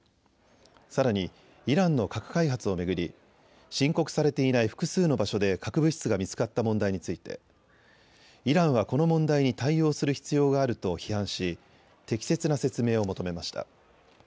さらにイランの核開発を巡り申告されていない複数の場所で核物質が見つかった問題についてイランはこの問題に対応する必要があると批判し適切な説明を求めました。